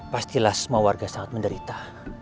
pastilah semua warga sangat menderita